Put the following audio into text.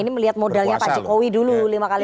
ini melihat modalnya pak jokowi dulu lima kali